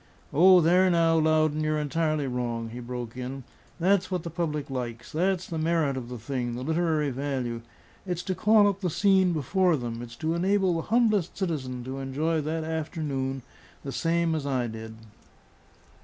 "Oh, there now, Loudon, you're entirely wrong," he broke in. "That's what the public likes; that's the merit of the thing, the literary value. It's to call up the scene before them; it's to enable the humblest citizen to enjoy that afternoon the same as I did.